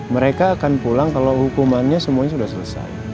mereka akan pulang kalau hukumannya semuanya sudah selesai